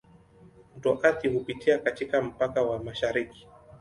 Mto Athi hupitia katika mpaka wa mashariki.